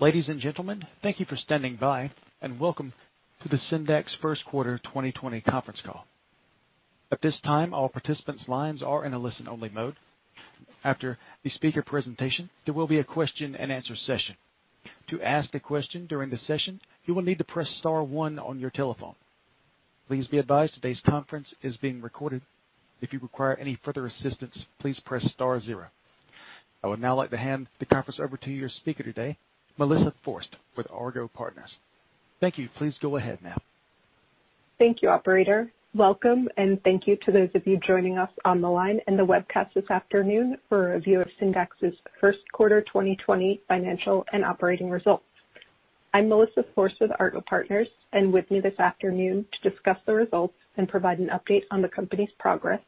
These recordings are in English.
Ladies and gentlemen, thank you for standing by and welcome to the Syndax first quarter 2020 conference call. At this time, all participants' lines are in a listen-only mode. After the speaker presentation, there will be a question and answer session. To ask a question during the session, you will need to press star one on your telephone. Please be advised today's conference is being recorded. If you require any further assistance, please press star zero. I would now like to hand the conference over to your speaker today, Melissa Forst with Argot Partners. Thank you. Please go ahead now. Thank you, operator. Welcome and thank you to those of you joining us on the line and the webcast this afternoon for a review of Syndax's first quarter 2020 financial and operating results. I'm Melissa Forst with Argot Partners. With me this afternoon to discuss the results and provide an update on the company's progress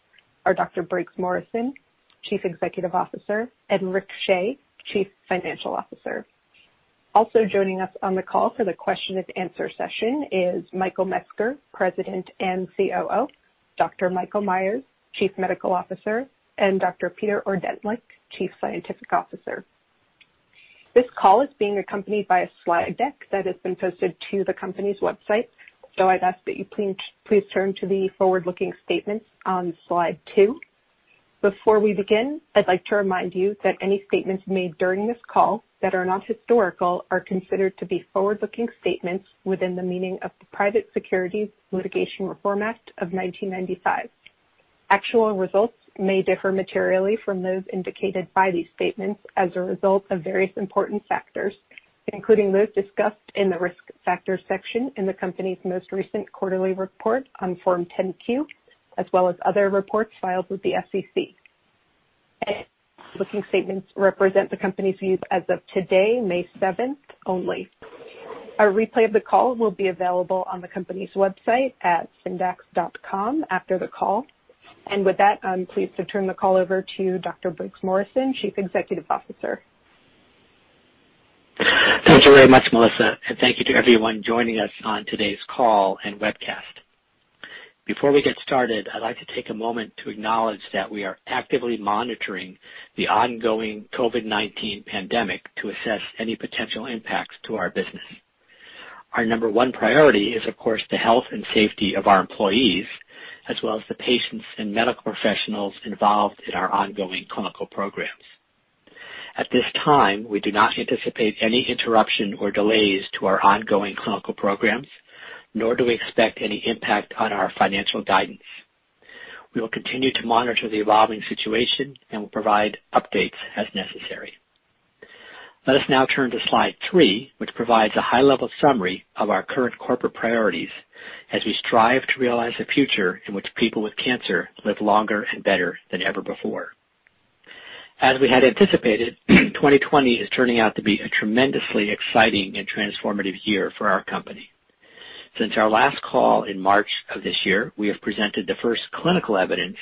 are Dr. Briggs Morrison, Chief Executive Officer, and Rick Shea, Chief Financial Officer. Also joining us on the call for the question and answer session is Michael Metzger, President and COO, Dr. Michael Meyers, Chief Medical Officer, and Dr. Peter Ordentlich, Chief Scientific Officer. This call is being accompanied by a slide deck that has been posted to the company's website. I'd ask that you please turn to the forward-looking statements on slide two. Before we begin, I'd like to remind you that any statements made during this call that are not historical are considered to be forward-looking statements within the meaning of the Private Securities Litigation Reform Act of 1995. Actual results may differ materially from those indicated by these statements as a result of various important factors, including those discussed in the Risk Factors section in the company's most recent quarterly report on Form 10-Q, as well as other reports filed with the SEC. Any forward-looking statements represent the company's views as of today, May 7th, only. A replay of the call will be available on the company's website at syndax.com after the call. With that, I'm pleased to turn the call over to Dr. Briggs Morrison, Chief Executive Officer. Thank you very much, Melissa, and thank you to everyone joining us on today's call and webcast. Before we get started, I'd like to take a moment to acknowledge that we are actively monitoring the ongoing COVID-19 pandemic to assess any potential impacts to our business. Our number one priority is, of course, the health and safety of our employees, as well as the patients and medical professionals involved in our ongoing clinical programs. At this time, we do not anticipate any interruption or delays to our ongoing clinical programs, nor do we expect any impact on our financial guidance. We will continue to monitor the evolving situation and will provide updates as necessary. Let us now turn to slide three, which provides a high-level summary of our current corporate priorities as we strive to realize a future in which people with cancer live longer and better than ever before. As we had anticipated, 2020 is turning out to be a tremendously exciting and transformative year for our company. Since our last call in March of this year, we have presented the first clinical evidence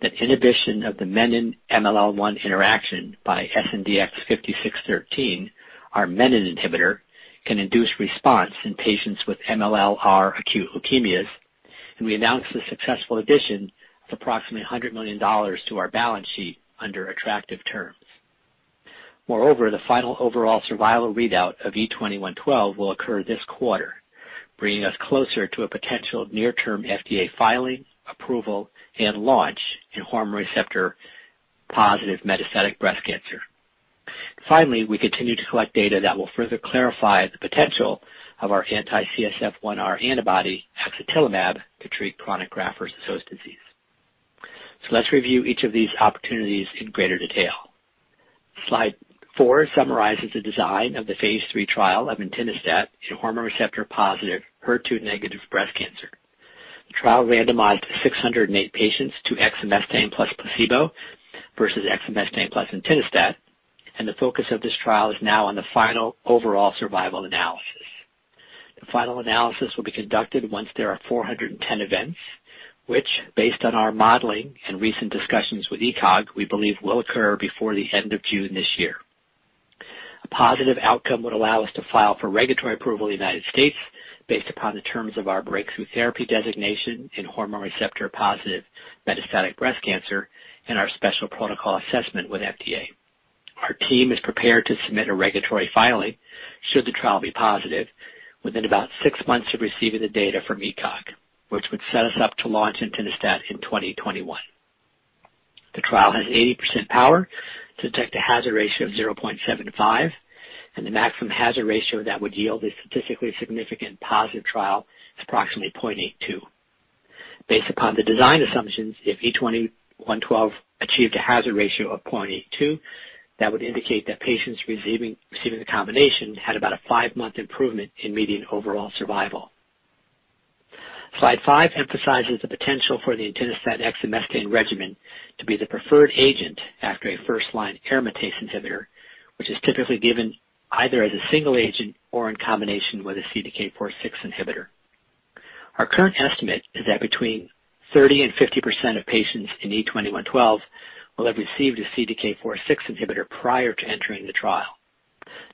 that inhibition of the Menin-MLL1 interaction by SNDX-5613, our Menin inhibitor, can induce response in patients with MLLr acute leukemias, and we announced the successful addition of approximately $100 million to our balance sheet under attractive terms. Moreover, the final overall survival readout of E2112 will occur this quarter, bringing us closer to a potential near-term FDA filing, approval, and launch in hormone receptor-positive metastatic breast cancer. Finally, we continue to collect data that will further clarify the potential of our anti-CSF-1R antibody, axatilimab, to treat chronic graft-versus-host disease. Let's review each of these opportunities in greater detail. Slide four summarizes the design of the phase III trial of entinostat in hormone receptor-positive, HER2- breast cancer. The trial randomized 608 patients to exemestane plus placebo versus exemestane plus entinostat. The focus of this trial is now on the final overall survival analysis. The final analysis will be conducted once there are 410 events, which, based on our modeling and recent discussions with ECOG, we believe will occur before the end of June this year. A positive outcome would allow us to file for regulatory approval in the U.S. based upon the terms of our Breakthrough Therapy Designation in hormone receptor-positive metastatic breast cancer and our Special Protocol Assessment with FDA. Our team is prepared to submit a regulatory filing should the trial be positive within about six months of receiving the data from ECOG, which would set us up to launch entinostat in 2021. The trial has 80% power to detect a hazard ratio of 0.75, and the maximum hazard ratio that would yield a statistically significant positive trial is approximately 0.82. Based upon the design assumptions, if E2112 achieved a hazard ratio of 0.82, that would indicate that patients receiving the combination had about a five-month improvement in median overall survival. Slide five emphasizes the potential for the entinostat/exemestane regimen to be the preferred agent after a first-line aromatase inhibitor, which is typically given either as a single agent or in combination with a CDK4/6 inhibitor. Our current estimate is that between 30% and 50% of patients in E2112 will have received a CDK4/6 inhibitor prior to entering the trial.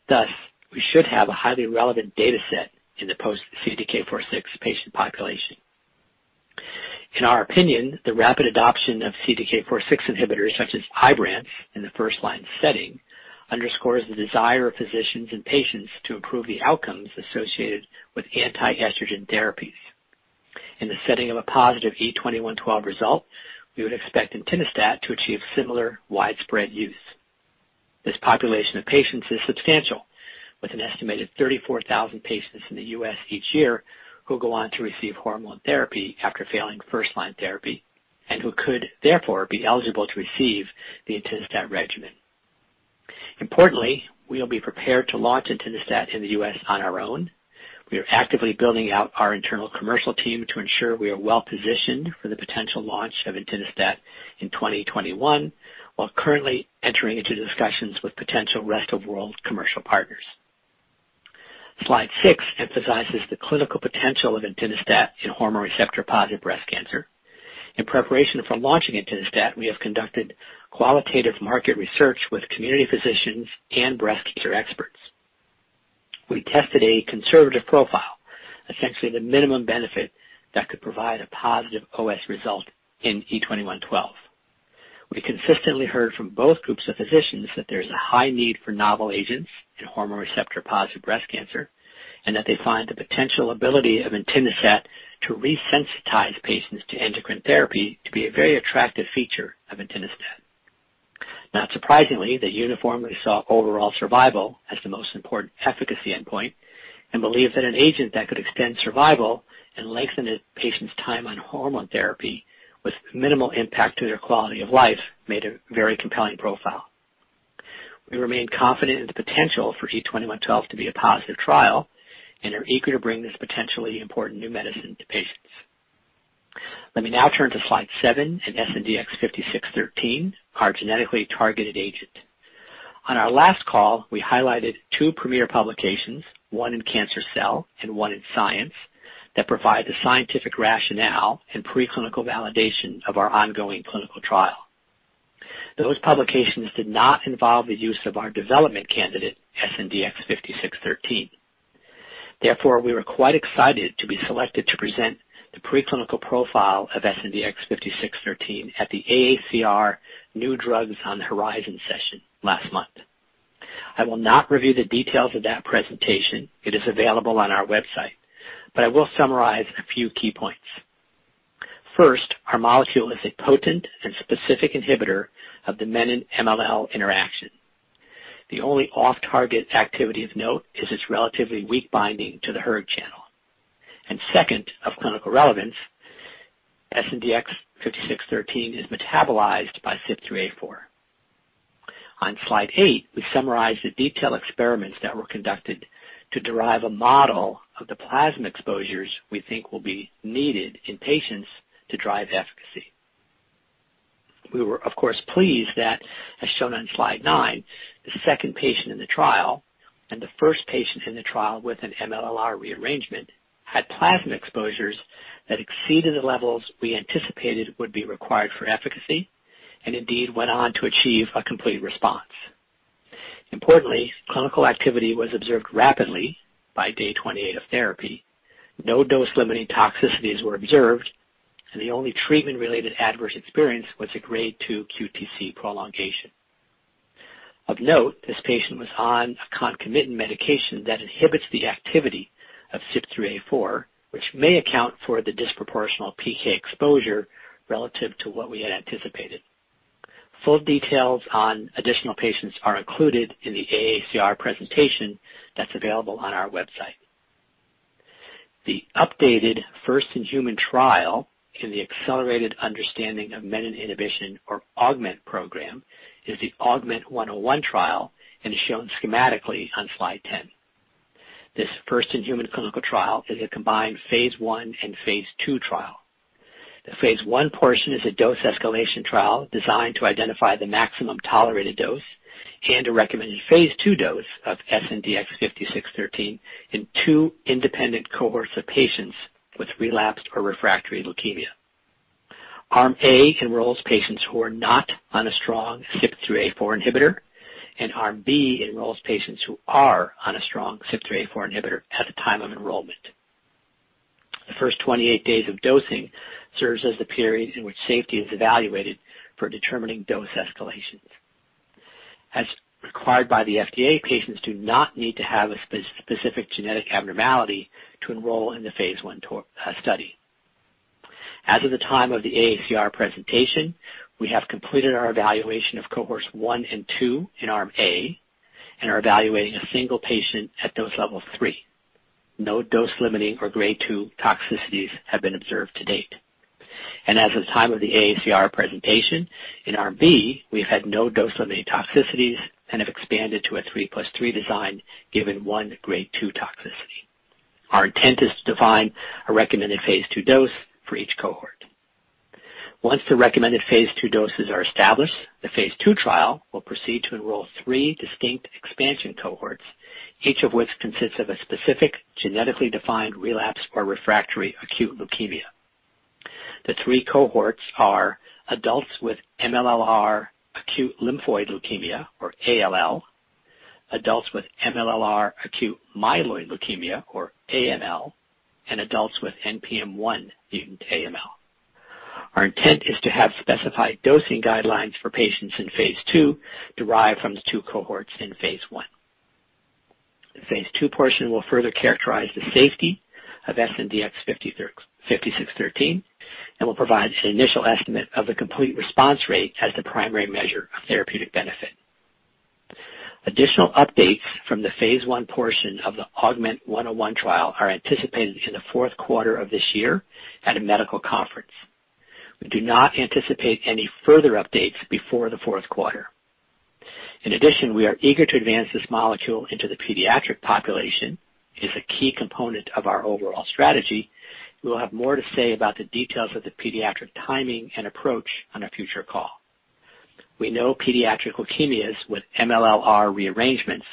Thus, we should have a highly relevant data set in the post-CDK4/6 patient population. In our opinion, the rapid adoption of CDK4/6 inhibitors such as IBRANCE in the first-line setting underscores the desire of physicians and patients to improve the outcomes associated with anti-estrogen therapies. In the setting of a positive E2112 result, we would expect entinostat to achieve similar widespread use. This population of patients is substantial, with an estimated 34,000 patients in the U.S. each year who go on to receive hormone therapy after failing first-line therapy, and who could therefore be eligible to receive the entinostat regimen. Importantly, we will be prepared to launch entinostat in the U.S. on our own. We are actively building out our internal commercial team to ensure we are well-positioned for the potential launch of entinostat in 2021, while currently entering into discussions with potential rest-of-world commercial partners. Slide six emphasizes the clinical potential of entinostat in hormone receptor-positive breast cancer. In preparation for launching entinostat, we have conducted qualitative market research with community physicians and breast care experts. We tested a conservative profile, essentially the minimum benefit that could provide a positive OS result in E2112. We consistently heard from both groups of physicians that there is a high need for novel agents to hormone receptor-positive breast cancer, and that they find the potential ability of entinostat to resensitize patients to endocrine therapy to be a very attractive feature of entinostat. Not surprisingly, they uniformly saw overall survival as the most important efficacy endpoint and believe that an agent that could extend survival and lengthen a patient's time on hormone therapy with minimal impact to their quality of life made a very compelling profile. We remain confident in the potential for E2112 to be a positive trial and are eager to bring this potentially important new medicine to patients. Let me now turn to slide seven and SNDX-5613, our genetically targeted agent. On our last call, we highlighted two premier publications, one in "Cancer Cell" and one in "Science," that provide the scientific rationale and preclinical validation of our ongoing clinical trial. Those publications did not involve the use of our development candidate, SNDX-5613. We were quite excited to be selected to present the preclinical profile of SNDX-5613 at the AACR New Drugs on the Horizon session last month. I will not review the details of that presentation. It is available on our website. I will summarize a few key points. First, our molecule is a potent and specific inhibitor of the Menin-MLL interaction. The only off-target activity of note is its relatively weak binding to the hERG channel. Second, of clinical relevance, SNDX-5613 is metabolized by CYP3A4. On slide eight, we summarize the detailed experiments that were conducted to derive a model of the plasma exposures we think will be needed in patients to drive efficacy. We were, of course, pleased that, as shown on slide nine, the second patient in the trial and the first patient in the trial with an MLLr rearrangement had plasma exposures that exceeded the levels we anticipated would be required for efficacy and indeed went on to achieve a complete response. Importantly, clinical activity was observed rapidly by day 28 of therapy. No dose-limiting toxicities were observed, and the only treatment-related adverse experience was a Grade 2 QTc prolongation. Of note, this patient was on a concomitant medication that inhibits the activity of CYP3A4, which may account for the disproportional PK exposure relative to what we had anticipated. Full details on additional patients are included in the AACR presentation that's available on our website. The updated first-in-human trial in the Accelerated Understanding of Menin Inhibition, or AUGMENT Program, is the AUGMENT-101 trial and is shown schematically on slide 10. This first-in-human clinical trial is a combined phase I and phase II trial. The phase I portion is a dose escalation trial designed to identify the maximum tolerated dose and a recommended phase II dose of SNDX-5613 in two independent cohorts of patients with relapsed or refractory leukemia. Arm A enrolls patients who are not on a strong CYP3A4 inhibitor, Arm B enrolls patients who are on a strong CYP3A4 inhibitor at the time of enrollment. The first 28 days of dosing serves as the period in which safety is evaluated for determining dose escalations. As required by the FDA, patients do not need to have a specific genetic abnormality to enroll in the phase I study. As of the time of the AACR presentation, we have completed our evaluation of cohorts one and two in Arm A and are evaluating a single patient at dose level 3. No dose-limiting or Grade 2 toxicities have been observed to date. As of the time of the AACR presentation, in Arm B, we've had no dose-limiting toxicities and have expanded to a 3+3 design given one Grade 2 toxicity. Our intent is to define a recommended phase II dose for each cohort. Once the recommended phase II doses are established, the phase II trial will proceed to enroll three distinct expansion cohorts, each of which consists of a specific genetically defined relapse or refractory acute leukemia. The three cohorts are adults with MLLr acute lymphoid leukemia, or ALL, adults with MLLr acute myeloid leukemia, or AML, and adults with NPM1 mutant AML. Our intent is to have specified dosing guidelines for patients in phase II derived from the two cohorts in phase I. The phase II portion will further characterize the safety of SNDX-5613 and will provide an initial estimate of the complete response rate as the primary measure of therapeutic benefit. Additional updates from the phase I portion of the AUGMENT-101 trial are anticipated in the fourth quarter of this year at a medical conference. We do not anticipate any further updates before the fourth quarter. In addition, we are eager to advance this molecule into the pediatric population as a key component of our overall strategy. We will have more to say about the details of the pediatric timing and approach on a future call. We know pediatric leukemias with MLLr rearrangements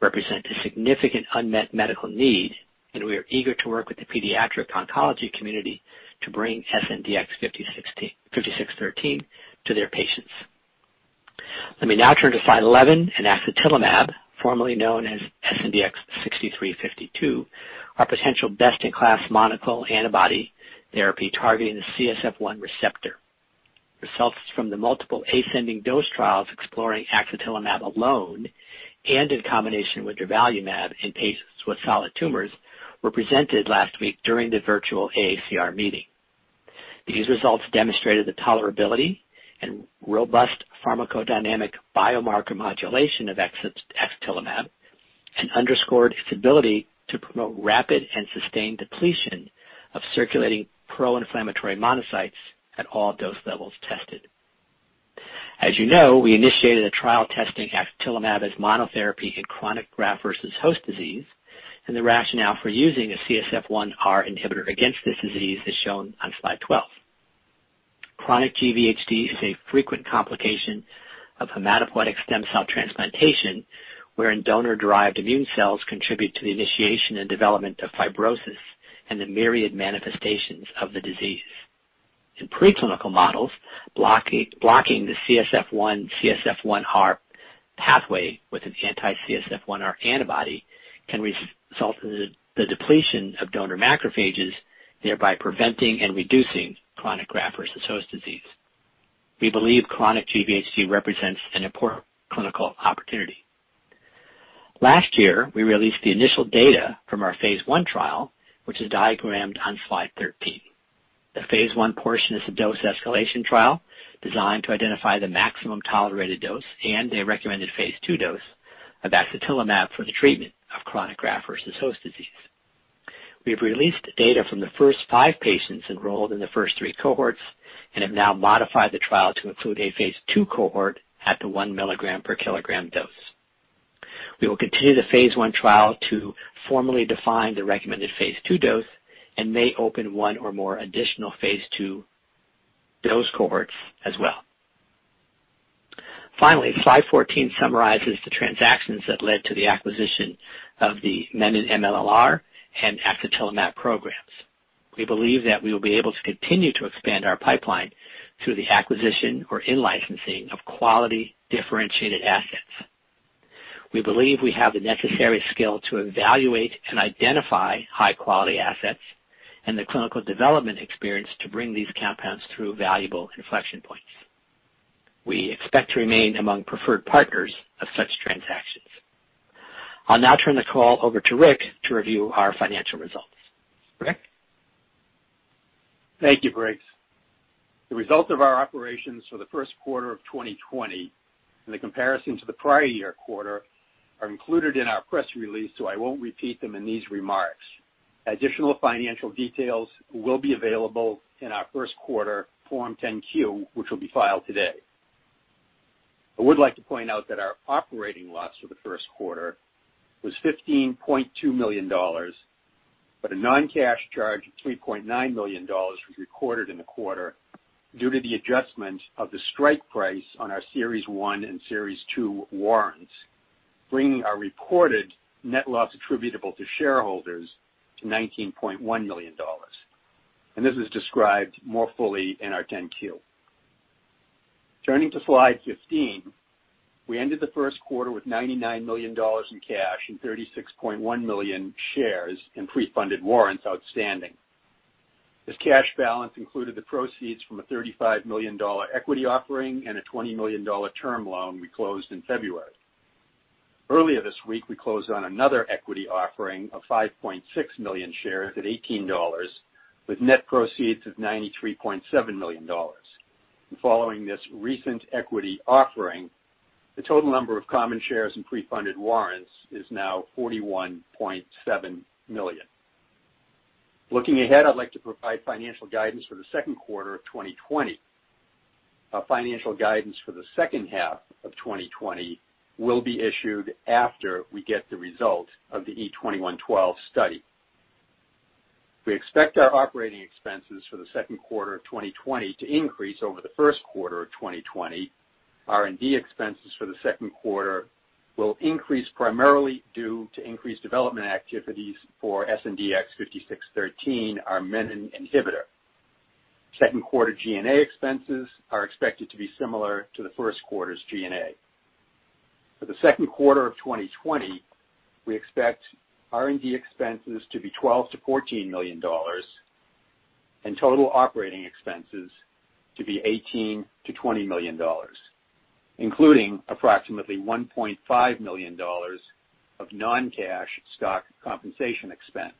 represent a significant unmet medical need, and we are eager to work with the pediatric oncology community to bring SNDX-5613 to their patients. Let me now turn to slide 11 and axatilimab, formerly known as SNDX-6352, our potential best-in-class monoclonal antibody therapy targeting the CSF-1 receptor. Results from the multiple ascending dose trials exploring axatilimab alone and in combination with durvalumab in patients with solid tumors were presented last week during the virtual AACR meeting. These results demonstrated the tolerability and robust pharmacodynamic biomarker modulation of axatilimab and underscored its ability to promote rapid and sustained depletion of circulating pro-inflammatory monocytes at all dose levels tested. As you know, we initiated a trial testing axatilimab as monotherapy in chronic Graft-versus-Host Disease, and the rationale for using a CSF-1R inhibitor against this disease is shown on slide 12. Chronic GVHD is a frequent complication of hematopoietic stem cell transplantation, wherein donor-derived immune cells contribute to the initiation and development of fibrosis and the myriad manifestations of the disease. In preclinical models, blocking the CSF-1/CSF-1R pathway with an anti-CSF-1R antibody can result in the depletion of donor macrophages, thereby preventing and reducing chronic Graft-versus-Host Disease. We believe chronic GVHD represents an important clinical opportunity. Last year, we released the initial data from our phase I trial, which is diagrammed on slide 13. The phase I portion is a dose escalation trial designed to identify the maximum tolerated dose and a recommended phase II dose of axatilimab for the treatment of chronic Graft-versus-Host Disease. We've released data from the first five patients enrolled in the first three cohorts and have now modified the trial to include a phase II cohort at the 1 mg per kg dose. We will continue the phase I trial to formally define the recommended phase II dose and may open one or more additional phase II dose cohorts as well. Finally, slide 14 summarizes the transactions that led to the acquisition of the Menin-MLLr and axatilimab programs. We believe that we will be able to continue to expand our pipeline through the acquisition or in-licensing of quality differentiated assets. We believe we have the necessary skill to evaluate and identify high-quality assets and the clinical development experience to bring these compounds through valuable inflection points. We expect to remain among preferred partners of such transactions. I'll now turn the call over to Rick to review our financial results. Rick? Thank you, Briggs. The results of our operations for the first quarter of 2020 and the comparison to the prior year quarter are included in our press release, so I won't repeat them in these remarks. Additional financial details will be available in our first quarter Form 10-Q, which will be filed today. I would like to point out that our operating loss for the first quarter was $15.2 million, but a non-cash charge of $3.9 million was recorded in the quarter due to the adjustment of the strike price on our Series 1 and Series 2 warrants, bringing our reported net loss attributable to shareholders to $19.1 million. This is described more fully in our 10-Q. Turning to slide 15, we ended the first quarter with $99 million in cash and 36.1 million shares in pre-funded warrants outstanding. This cash balance included the proceeds from a $35 million equity offering and a $20 million term loan we closed in February. Earlier this week, we closed on another equity offering of 5.6 million shares at $18 with net proceeds of $93.7 million. Following this recent equity offering, the total number of common shares and pre-funded warrants is now 41.7 million. Looking ahead, I'd like to provide financial guidance for the second quarter of 2020. Our financial guidance for the second half of 2020 will be issued after we get the result of the E2112 study. We expect our operating expenses for the second quarter of 2020 to increase over the first quarter of 2020. R&D expenses for the second quarter will increase primarily due to increased development activities for SNDX-5613, our Menin inhibitor. Second quarter G&A expenses are expected to be similar to the first quarter's G&A. For the second quarter of 2020, we expect R&D expenses to be $12 million-$14 million, and total operating expenses to be $18 million-$20 million, including approximately $1.5 million of non-cash stock compensation expense.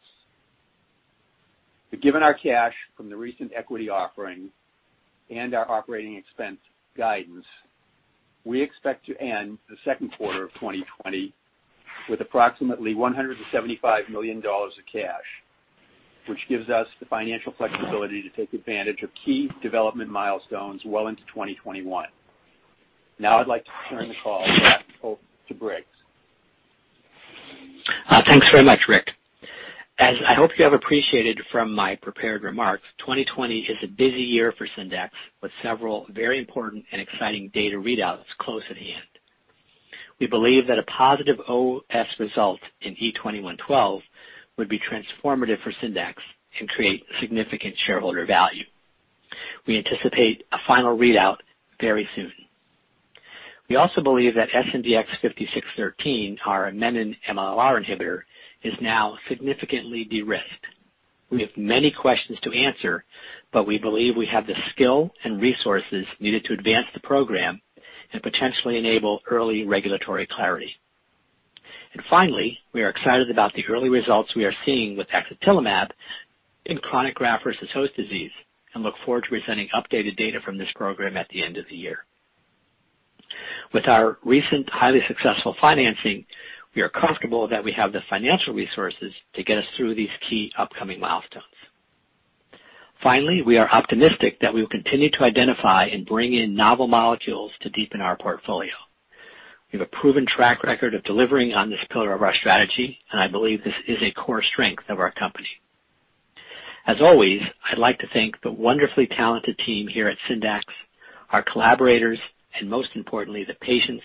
Given our cash from the recent equity offering and our operating expense guidance, we expect to end the second quarter of 2020 with approximately $175 million of cash, which gives us the financial flexibility to take advantage of key development milestones well into 2021. I'd like to turn the call back over to Briggs. Thanks very much, Rick. As I hope you have appreciated from my prepared remarks, 2020 is a busy year for Syndax, with several very important and exciting data readouts close at hand. We believe that a positive OS result in E2112 would be transformative for Syndax and create significant shareholder value. We anticipate a final readout very soon. We also believe that SNDX-5613, our Menin-MLLr inhibitor, is now significantly de-risked. We have many questions to answer. We believe we have the skill and resources needed to advance the program and potentially enable early regulatory clarity. Finally, we are excited about the early results we are seeing with axatilimab in chronic graft-versus-host disease, and look forward to presenting updated data from this program at the end of the year. With our recent highly successful financing, we are comfortable that we have the financial resources to get us through these key upcoming milestones. We are optimistic that we will continue to identify and bring in novel molecules to deepen our portfolio. We have a proven track record of delivering on this pillar of our strategy, and I believe this is a core strength of our company. As always, I'd like to thank the wonderfully talented team here at Syndax, our collaborators, and most importantly, the patients,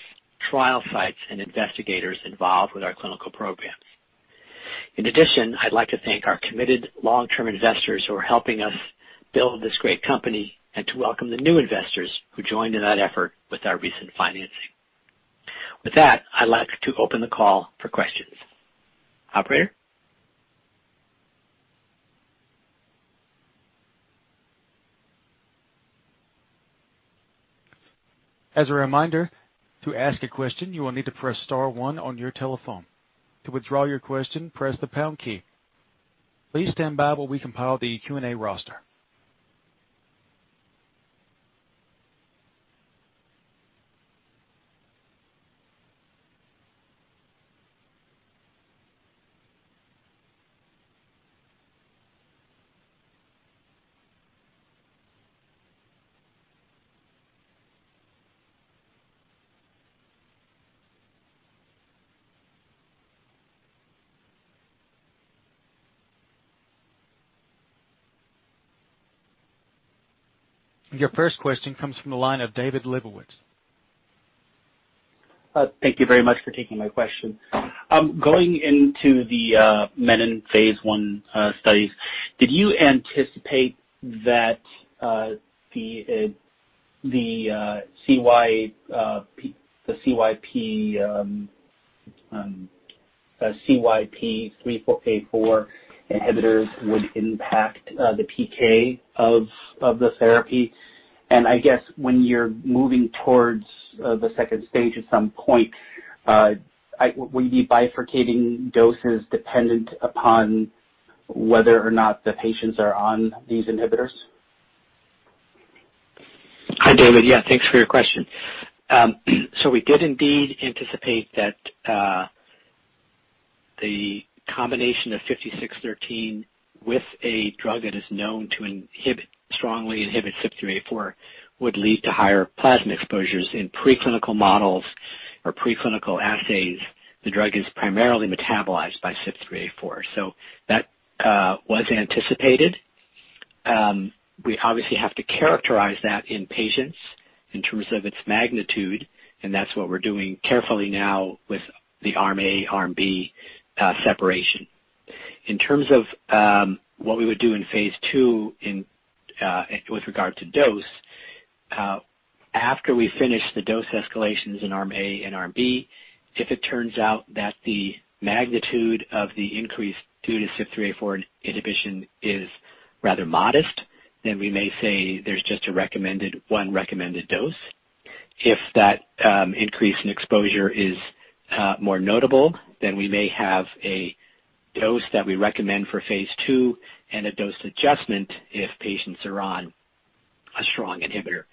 trial sites, and investigators involved with our clinical programs. I'd like to thank our committed long-term investors who are helping us build this great company and to welcome the new investors who joined in that effort with our recent financing. With that, I'd like to open the call for questions. Operator? As a reminder, to ask a question, you will need to press star one on your telephone. To withdraw your question, press the pound key. Please stand by while we compile the Q&A roster. Your first question comes from the line of David Lebowitz. Thank you very much for taking my question. Going into the Menin phase I studies, did you anticipate that the CYP3A4 inhibitors would impact the PK of the therapy? I guess when you're moving towards the phase II at some point, will you be bifurcating doses dependent upon whether or not the patients are on these inhibitors? Hi, David. Yeah, thanks for your question. We did indeed anticipate that the combination of 5613 with a drug that is known to strongly inhibit CYP3A4 would lead to higher plasma exposures in preclinical models or preclinical assays. The drug is primarily metabolized by CYP3A4. That was anticipated. We obviously have to characterize that in patients in terms of its magnitude, and that's what we're doing carefully now with the arm A, arm B separation. In terms of what we would do in phase II with regard to dose, after we finish the dose escalations in arm A and arm B, if it turns out that the magnitude of the increase due to CYP3A4 inhibition is rather modest, then we may say there's just one recommended dose. If that increase in exposure is more notable, then we may have a dose that we recommend for phase II and a dose adjustment if patients are on a strong inhibitor.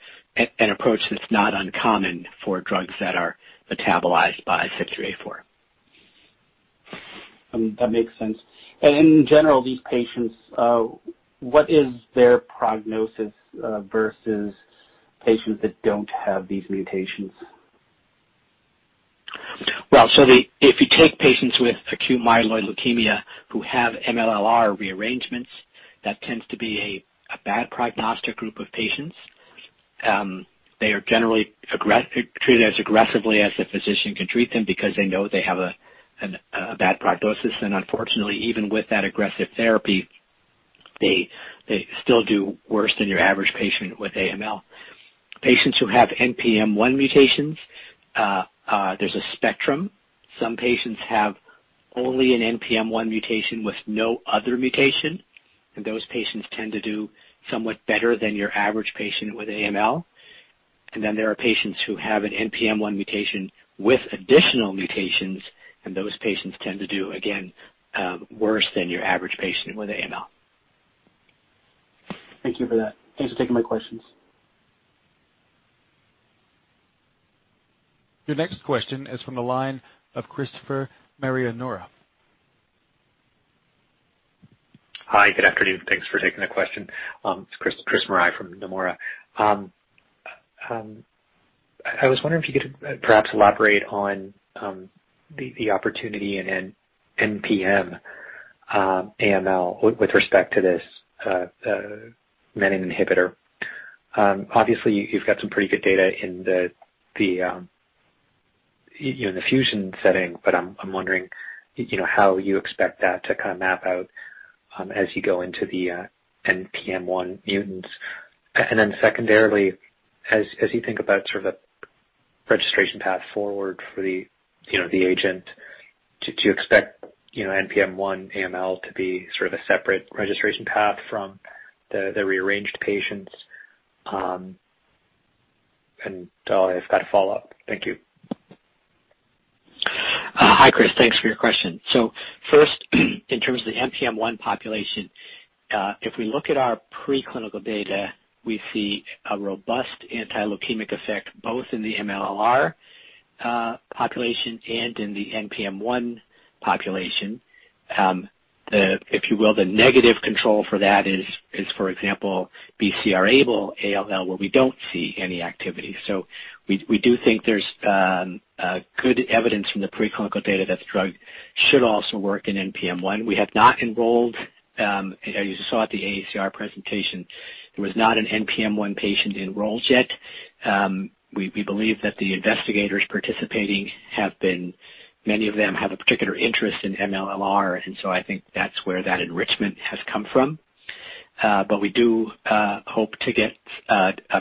An approach that's not uncommon for drugs that are metabolized by CYP3A4. That makes sense. In general, these patients, what is their prognosis versus patients that don't have these mutations? If you take patients with acute myeloid leukemia who have MLLr rearrangements, that tends to be a bad prognostic group of patients. They are generally treated as aggressively as a physician can treat them because they know they have a bad prognosis. Unfortunately, even with that aggressive therapy, they still do worse than your average patient with AML. Patients who have NPM1 mutations, there's a spectrum. Some patients have only an NPM1 mutation with no other mutation, those patients tend to do somewhat better than your average patient with AML. There are patients who have an NPM1 mutation with additional mutations, those patients tend to do, again, worse than your average patient with AML. Thank you for that. Thanks for taking my questions. Your next question is from the line of Christopher Marai. Hi, good afternoon. Thanks for taking the question. It's Chris Marai from Nomura. I was wondering if you could perhaps elaborate on the opportunity in NPM1 AML with respect to this Menin inhibitor. Obviously, you've got some pretty good data in the fusion setting, but I'm wondering how you expect that to map out as you go into the NPM1 mutants. Then secondarily, as you think about sort of a registration path forward for the agent to expect NPM1 AML to be sort of a separate registration path from the rearranged patients. I've got a follow-up. Thank you. Hi, Chris. Thanks for your question. First, in terms of the NPM1 population, if we look at our pre-clinical data, we see a robust anti-leukemic effect both in the MLLr population and in the NPM1 population. If you will, the negative control for that is, for example, BCR-ABL, ALL where we don't see any activity. We do think there's good evidence from the pre-clinical data that the drug should also work in NPM1. We have not enrolled, as you saw at the AACR presentation, there was not an NPM1 patient enrolled yet. We believe that the investigators participating, many of them have a particular interest in MLLr, and so I think that's where that enrichment has come from. We do hope to get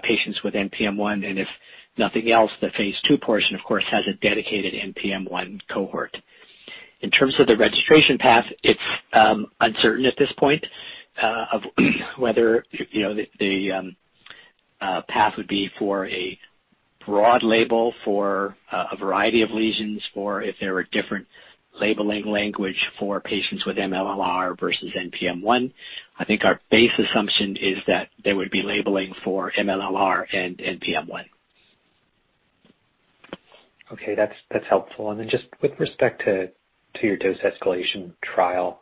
patients with NPM1, and if nothing else, the phase II portion, of course, has a dedicated NPM1 cohort. In terms of the registration path, it's uncertain at this point whether the path would be for a broad label for a variety of lesions, or if there were different labeling language for patients with MLLr versus NPM1. I think our base assumption is that there would be labeling for MLLr and NPM1. Okay, that's helpful. Just with respect to your dose escalation trial,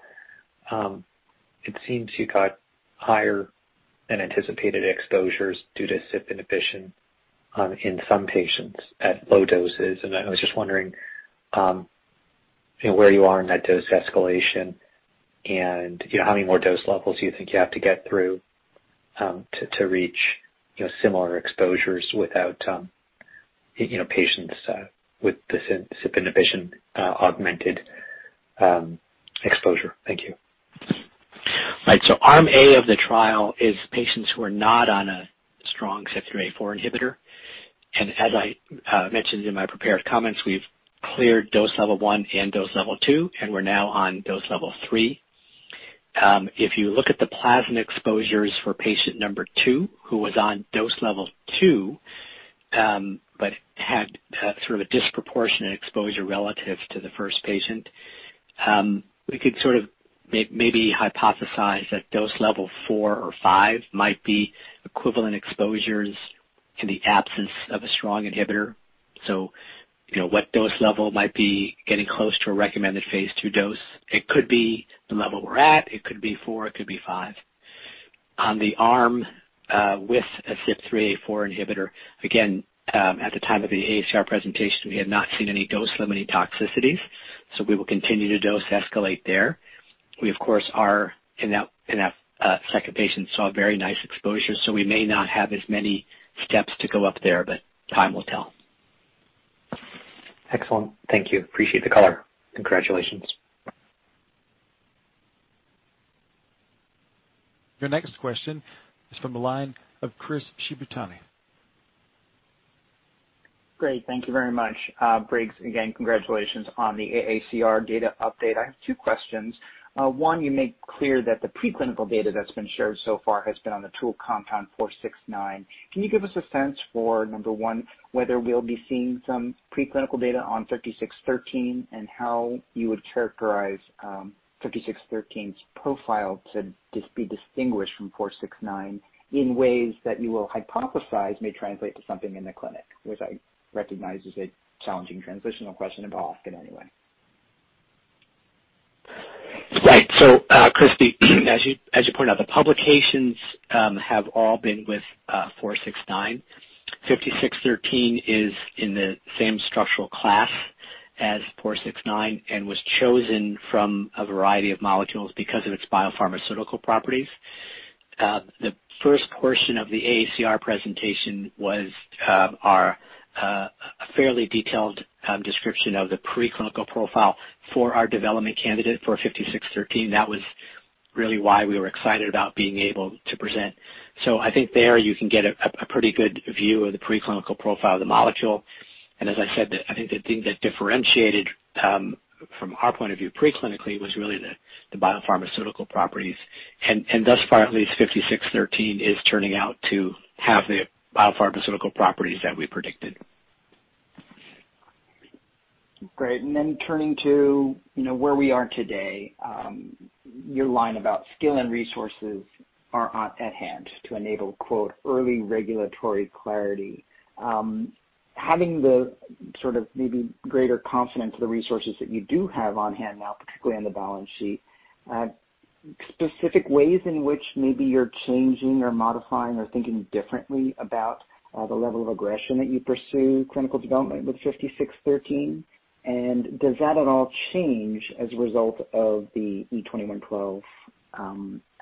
it seems you got higher than anticipated exposures due to CYP inhibition in some patients at low doses. I was just wondering where you are in that dose escalation and how many more dose levels you think you have to get through to reach similar exposures without patients with the CYP inhibition augmented exposure. Thank you. Right. Arm A of the trial is patients who are not on a strong CYP3A4 inhibitor. As I mentioned in my prepared comments, we've cleared dose level one and dose level two, and we're now on dose level three. If you look at the plasma exposures for patient number two, who was on dose level 2 but had sort of a disproportionate exposure relative to the first patient, we could sort of maybe hypothesize that dose level four or five might be equivalent exposures in the absence of a strong inhibitor. What dose level might be getting close to a recommended phase II dose? It could be the level we're at. It could be four, it could be five. On the arm with a CYP3A4 inhibitor, again, at the time of the AACR presentation, we had not seen any dose-limiting toxicities. We will continue to dose escalate there. We, of course, are in that second patient, saw very nice exposure, so we may not have as many steps to go up there, but time will tell. Excellent. Thank you. Appreciate the color. Congratulations. Your next question is from the line of Chris Shibutani. Great. Thank you very much. Briggs, again, congratulations on the AACR data update. I have two questions. One, you make clear that the preclinical data that's been shared so far has been on the tool compound 469. Can you give us a sense for, number one, whether we'll be seeing some preclinical data on 5613 and how you would characterize 5613's profile to be distinguished from 469 in ways that you will hypothesize may translate to something in the clinic? Which I recognize is a challenging transitional question, but I'll ask it anyway. Right. Chris, as you pointed out, the publications have all been with 469. 5613 is in the same structural class as 469 and was chosen from a variety of molecules because of its biopharmaceutical properties. The first portion of the AACR presentation was our fairly detailed description of the preclinical profile for our development candidate for 5613. That was really why we were excited about being able to present. I think there you can get a pretty good view of the preclinical profile of the molecule. As I said, I think the thing that differentiated, from our point of view preclinically, was really the biopharmaceutical properties. Thus far, at least 5613 is turning out to have the biopharmaceutical properties that we predicted. Great. Turning to where we are today, your line about skill and resources are at hand to enable "early regulatory clarity." Having the sort of maybe greater confidence in the resources that you do have on hand now, particularly on the balance sheet, specific ways in which maybe you're changing or modifying or thinking differently about the level of aggression that you pursue clinical development with 5613, and does that at all change as a result of the E2112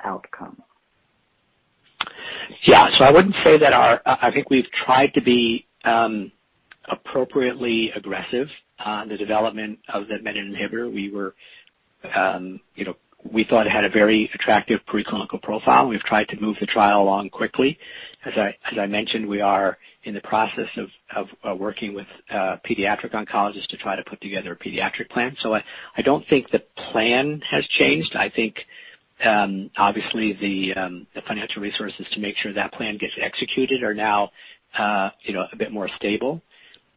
outcome? Yeah. I think we've tried to be appropriately aggressive on the development of the Menin inhibitor. We thought it had a very attractive preclinical profile. We've tried to move the trial along quickly. As I mentioned, we are in the process of working with pediatric oncologists to try to put together a pediatric plan. I don't think the plan has changed. I think, obviously, the financial resources to make sure that plan gets executed are now a bit more stable,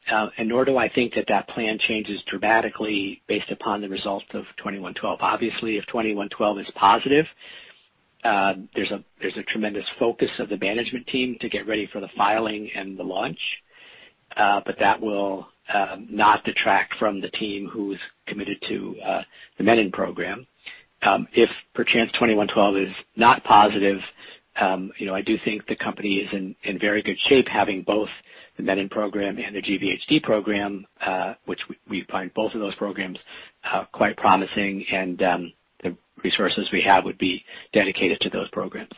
and nor do I think that that plan changes dramatically based upon the results of E2112. Obviously, if E2112 is positive, there's a tremendous focus of the management team to get ready for the filing and the launch. That will not detract from the team who's committed to the Menin program. If, perchance, E2112 is not positive, I do think the company is in very good shape having both the Menin program and the GVHD program, which we find both of those programs quite promising and the resources we have would be dedicated to those programs.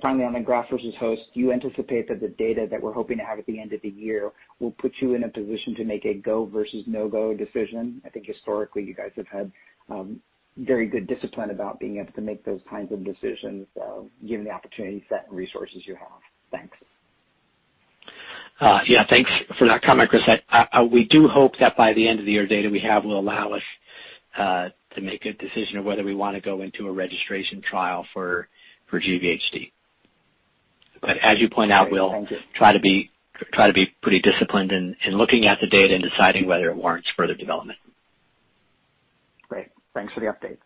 Finally, on the Graft-versus-Host, do you anticipate that the data that we're hoping to have at the end of the year will put you in a position to make a go versus no-go decision? I think historically you guys have had very good discipline about being able to make those kinds of decisions given the opportunity set and resources you have. Thanks. Yeah. Thanks for that comment, Chris. We do hope that by the end of the year, data we have will allow us to make a decision of whether we want to go into a registration trial for GVHD. Great. Thank you. Try to be pretty disciplined in looking at the data and deciding whether it warrants further development. Great. Thanks for the update.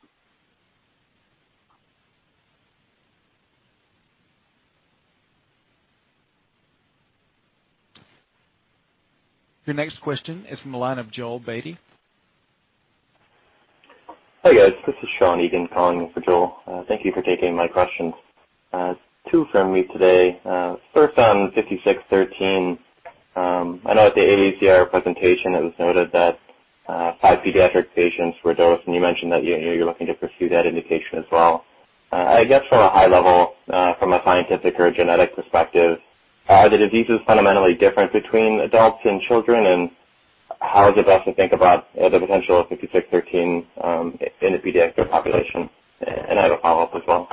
Your next question is from the line of Joel Beatty. Hi, guys. This is Shawn Egan calling for Joel. Thank you for taking my questions. Two from me today. First on 5613, I know at the AACR presentation it was noted that five pediatric patients were dosed, and you mentioned that you're looking to pursue that indication as well. I guess from a high level, from a scientific or a genetic perspective, are the diseases fundamentally different between adults and children, and how [the best] think about the potential of 5613 in the pediatric population? I have a follow-up as well.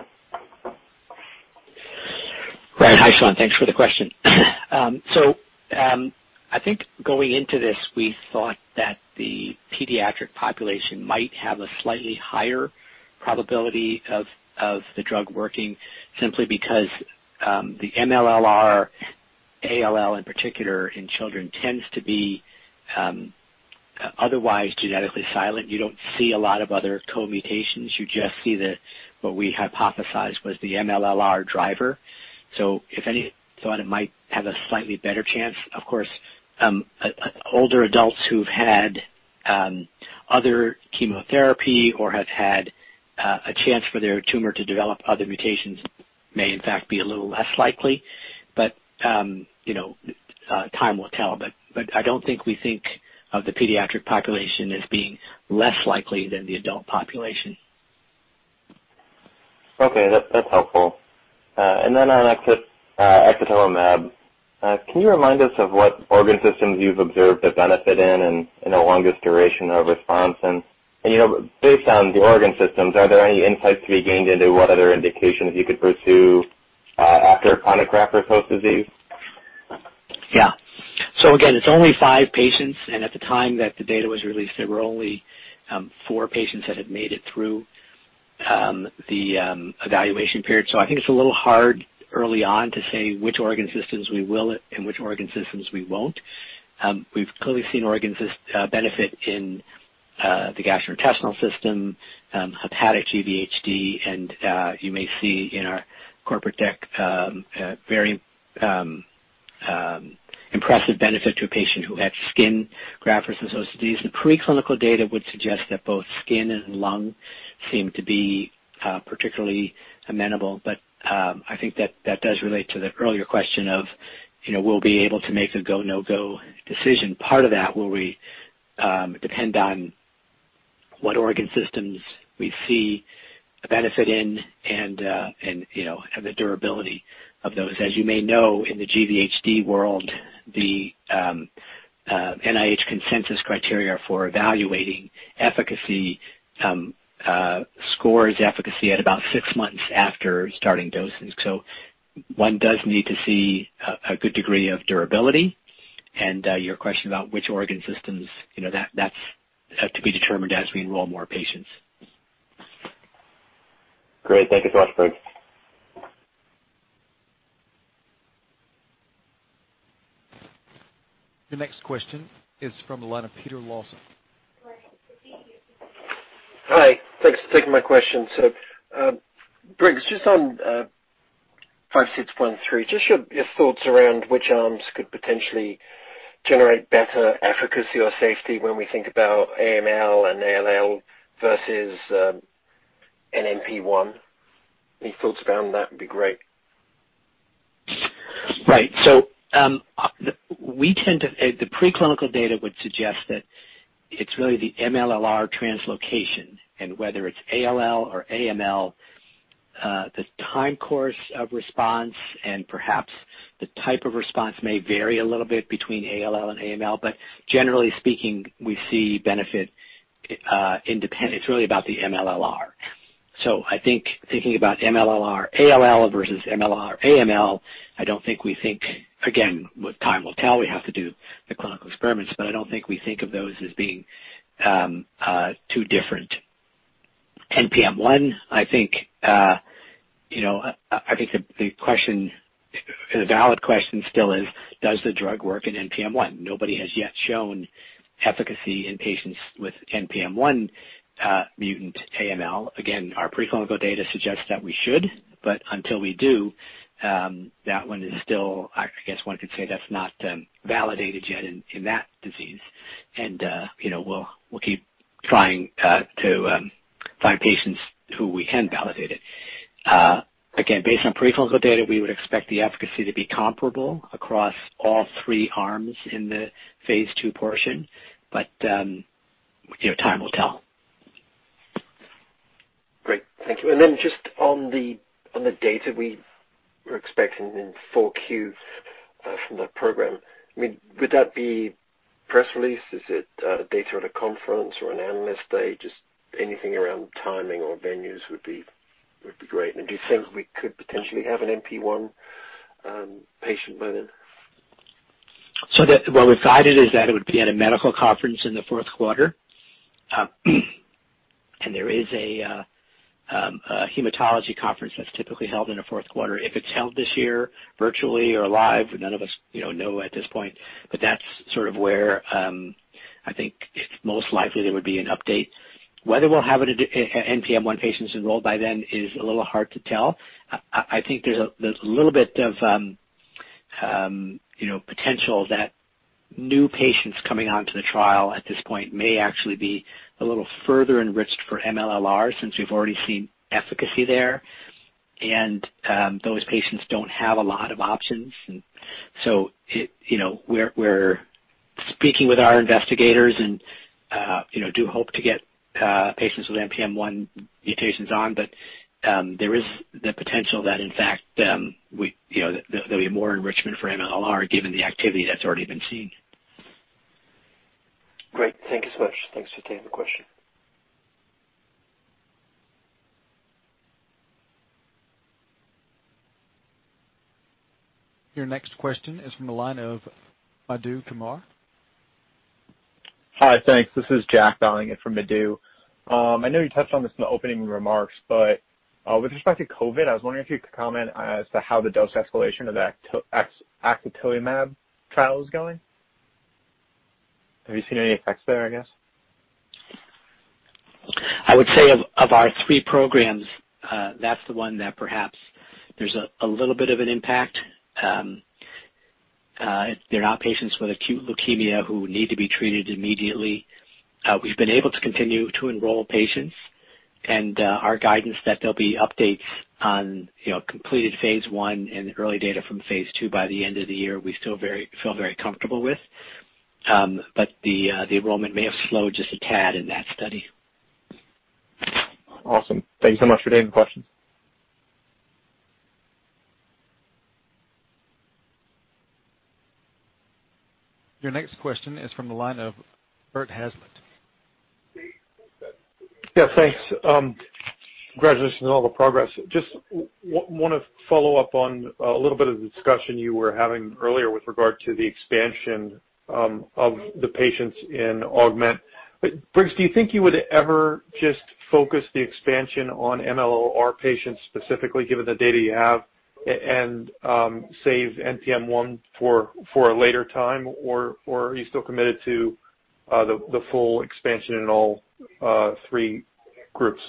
Right. Hi, Shawn. Thanks for the question. I think going into this, we thought that the pediatric population might have a slightly higher probability of the drug working simply because the MLLr ALL in particular in children tends to be otherwise genetically silent. You don't see a lot of other co-mutations. You just see what we hypothesized was the MLLr driver. If any, thought it might have a slightly better chance. Of course, older adults who've had other chemotherapy or have had a chance for their tumor to develop other mutations may in fact be a little less likely, but time will tell. I don't think we think of the pediatric population as being less likely than the adult population. Okay. That's helpful. On axatilimab, can you remind us of what organ systems you've observed a benefit in and the longest duration of response and, based on the organ systems, are there any insights to be gained into what other indications you could pursue after chronic Graft-versus-Host Disease? Again, it's only five patients. At the time that the data was released, there were only four patients that had made it through the evaluation period. I think it's a little hard early on to say which organ systems we will and which organ systems we won't. We've clearly seen benefit in the gastrointestinal system, hepatic GVHD, and you may see in our corporate deck, a impressive benefit to a patient who had skin Graft-versus-Host-Disease. The preclinical data would suggest that both skin and lung seem to be particularly amenable. I think that does relate to the earlier question of we'll be able to make the go, no-go decision. Part of that will depend on what organ systems we see a benefit in and the durability of those. As you may know, in the GVHD world, the NIH consensus criteria for evaluating efficacy scores efficacy at about six months after starting doses. One does need to see a good degree of durability. Your question about which organ systems, that has to be determined as we enroll more patients. Great. Thank you so much, Briggs. The next question is from the line of Peter Lawson. Hi. Thanks for taking my question. Briggs, just on 5613, just your thoughts around which arms could potentially generate better efficacy or safety when we think about AML and ALL versus NPM1. Any thoughts around that would be great. Right. The preclinical data would suggest that it's really the MLLr translocation. Whether it's ALL or AML, the time course of response and perhaps the type of response may vary a little bit between ALL and AML. Generally speaking, we see benefit independent. It's really about the MLLr. I think thinking about MLLr ALL versus MLLr AML, I don't think we think, again, what time will tell, we have to do the clinical experiments, but I don't think we think of those as being too different. NPM1, I think the valid question still is, does the drug work in NPM1? Nobody has yet shown efficacy in patients with NPM1 mutant AML. Again, our preclinical data suggests that we should, but until we do, that one is still, I guess, one could say that's not validated yet in that disease. We'll keep trying to find patients who we can validate it. Again, based on preclinical data, we would expect the efficacy to be comparable across all three arms in the phase II portion. Time will tell. Great. Thank you. Then just on the data we were expecting in 4Q from the program, would that be press release? Is it data at a conference or an analyst day? Just anything around timing or venues would be great. Do you think we could potentially have an NPM1 patient by then? What we've guided is that it would be at a medical conference in the fourth quarter. There is a hematology conference that's typically held in the fourth quarter. If it's held this year virtually or live, none of us know at this point, but that's sort of where I think it's most likely there would be an update. Whether we'll have NPM1 patients enrolled by then is a little hard to tell. I think there's a little bit of potential that new patients coming onto the trial at this point may actually be a little further enriched for MLLr since we've already seen efficacy there. Those patients don't have a lot of options. We're speaking with our investigators and do hope to get patients with NPM1 mutations on. There is the potential that in fact there'll be more enrichment for MLLr given the activity that's already been seen. Great. Thank you so much. Thanks for taking the question. Your next question is from the line of Madhu Kumar. Hi. Thanks. This is Jack dialing in from Madhu. I know you touched on this in the opening remarks, but with respect to COVID, I was wondering if you could comment as to how the dose escalation of the axatilimab trial is going. Have you seen any effects there, I guess? I would say of our three programs, that's the one that perhaps there's a little bit of an impact. They're not patients with acute leukemia who need to be treated immediately. We've been able to continue to enroll patients and our guidance that there'll be updates on completed phase I and early data from phase II by the end of the year, we still feel very comfortable with. The enrollment may have slowed just a tad in that study. Awesome. Thank you so much for taking the question. Your next question is from the line of Bert Hazlett. Yeah, thanks. Congratulations on all the progress. Just want to follow up on a little bit of the discussion you were having earlier with regard to the expansion of the patients in AUGMENT. Briggs, do you think you would ever just focus the expansion on MLLr patients specifically given the data you have and save NPM1 for a later time? Or are you still committed to the full expansion in all three groups?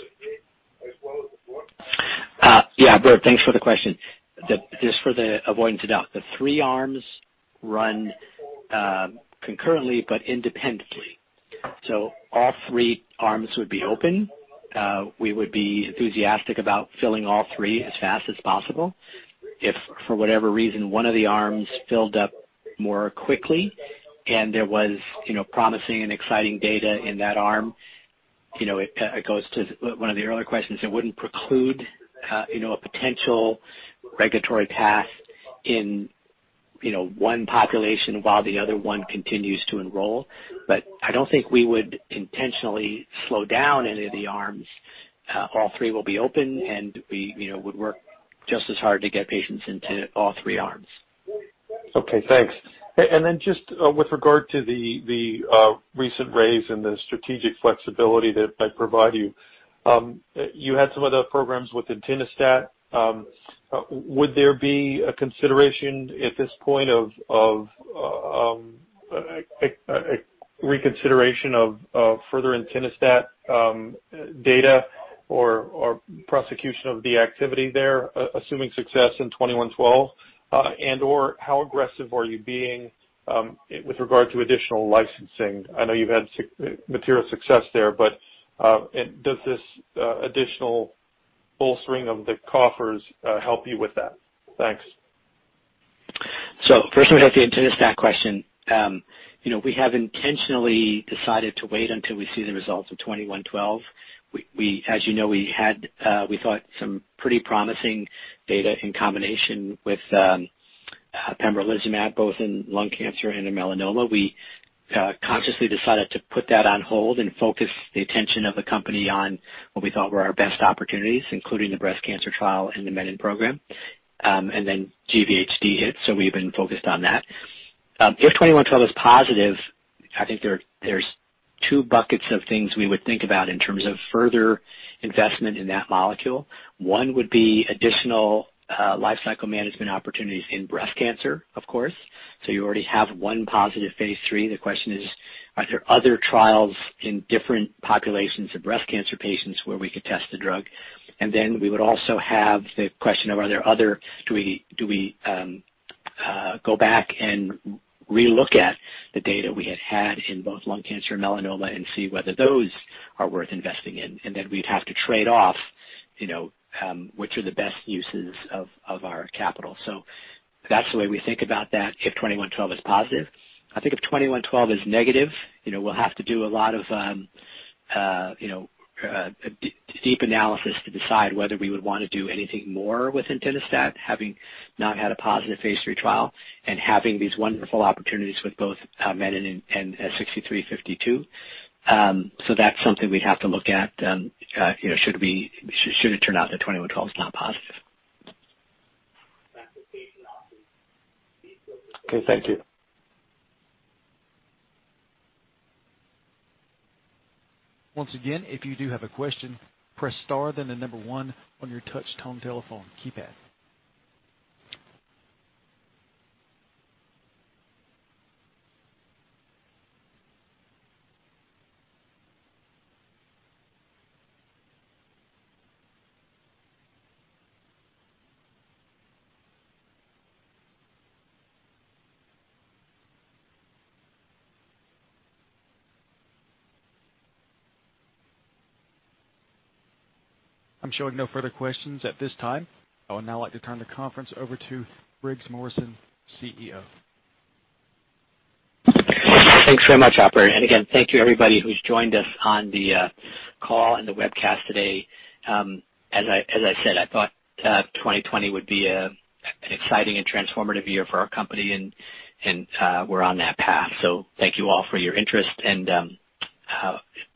Yeah, Bert, thanks for the question. Just for the avoidance of doubt, the three arms run concurrently but independently. All three arms would be open. We would be enthusiastic about filling all three as fast as possible. If, for whatever reason, one of the arms filled up more quickly and there was promising and exciting data in that arm, it goes to one of the earlier questions, it wouldn't preclude a potential regulatory path in one population while the other one continues to enroll. I don't think we would intentionally slow down any of the arms. All three will be open, and we would work just as hard to get patients into all three arms. Okay, thanks. Then just with regard to the recent raise and the strategic flexibility that provide you. You had some of the programs with entinostat. Would there be a consideration at this point of a reconsideration of further entinostat data or prosecution of the activity there, assuming success in E2112? And/or how aggressive are you being with regard to additional licensing? I know you've had material success there, but does this additional bolstering of the coffers help you with that? Thanks. Firstly, with the entinostat question. We have intentionally decided to wait until we see the results of E2112. As you know, we thought some pretty promising data in combination with pembrolizumab, both in lung cancer and in melanoma. We consciously decided to put that on hold and focus the attention of the company on what we thought were our best opportunities, including the breast cancer trial and the Menin program. GVHD hit, so we've been focused on that. If E2112 is positive, I think there's two buckets of things we would think about in terms of further investment in that molecule. One would be additional life cycle management opportunities in breast cancer, of course. You already have one positive phase III. The question is, are there other trials in different populations of breast cancer patients where we could test the drug? We would also have the question of, do we go back and re-look at the data we had had in both lung cancer and melanoma and see whether those are worth investing in? We'd have to trade off which are the best uses of our capital. That's the way we think about that if E2112 is positive. I think if E2112 is negative, we'll have to do a lot of deep analysis to decide whether we would want to do anything more with entinostat having not had a positive phase III trial and having these wonderful opportunities with both Menin and 6352. That's something we'd have to look at should it turn out that E2112 is not positive. Okay, thank you. Once again, if you do have a question, press star then the number one on your touchtone telephone keypad. I'm showing no further questions at this time. I would now like to turn the conference over to Briggs Morrison, CEO. Thanks very much, operator. Again, thank you everybody who's joined us on the call and the webcast today. As I said, I thought 2020 would be an exciting and transformative year for our company, and we're on that path. Thank you all for your interest.